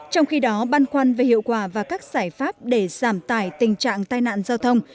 trong khi đó băn khoăn về hiệu quả và các giải pháp để giảm tải tình trạng tai nạn giao thông